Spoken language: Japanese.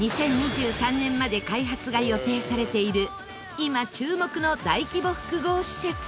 ２０２３年まで開発が予定されている今注目の大規模複合施設。